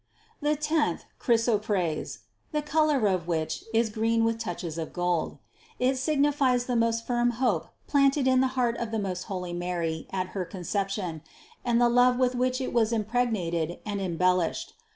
294 "The tenth, chrysoprase," the color of which is green with touches of gold. It signified the most firm THE CONCEPTION 239 hope planted in the heart of the most holy Mary at her Conception, and the love with which it was impreg nated and embellished.